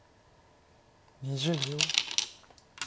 ２０秒。